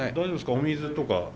お水とか。